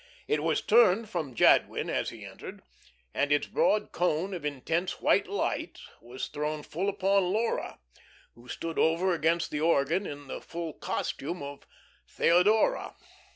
It was turned from Jadwin as he entered, and its broad cone of intense white light was thrown full upon Laura, who stood over against the organ in the full costume of "Theodora."